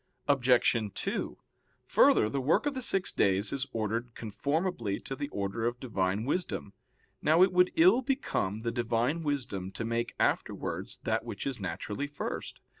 Obj. 2: Further, the work of the six days is ordered conformably to the order of Divine wisdom. Now it would ill become the Divine wisdom to make afterwards that which is naturally first.